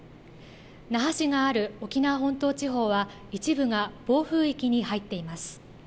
那覇市がある沖縄本島地方は一部が暴風域に入っています。